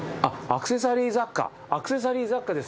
アクセサリー雑貨ですって。